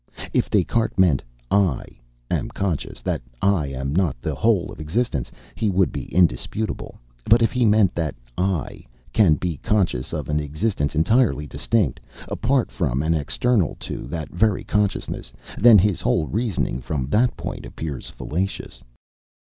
If Des Cartes meant "I" am conscious that I am not the whole of existence, he would be indisputable; but if he meant that "I" can be conscious of an existence entirely distinct, apart from, and external to, that very consciousness, then his whole reasoning from that point appears fallacious.